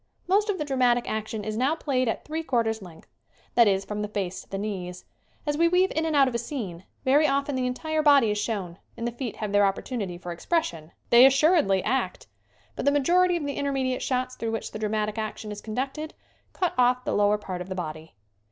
Most of the dramatic action is now played at three quarters length ; that is from the face to the knees. As we weave in and out of a scene, very often the entire body is shown and the feet have their opportunity for expression they assuredly act ! but the majority of the intermediate shots through which the dramatic action is conducted cut off the lower part of the body.